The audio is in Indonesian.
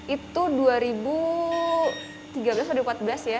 itu dua ribu tiga belas dua ribu empat belas ya